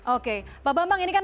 oke pak bambang ini kan